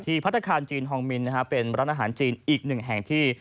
พัฒนาคารจีนฮองมินเป็นร้านอาหารจีนอีกหนึ่งแห่งที่